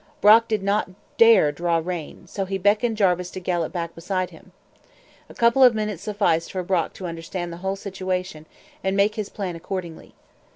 Brock did not dare draw rein; so he beckoned Jarvis to gallop back beside him. A couple of minutes sufficed for Brock to understand the whole situation and make his plan accordingly.